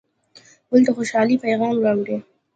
ګل د خوشحالۍ پیغام راوړي.